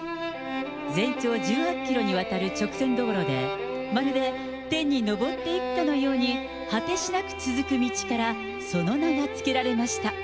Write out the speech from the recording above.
全長１８キロにわたる直線道路で、まるで天に昇っていくかのように果てしなく続く道から、その名が付けられました。